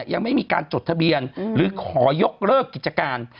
ยังไม่มีการจดทะเบียนหรือขอยกเลิกกิจการ